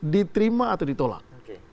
diterima atau ditolak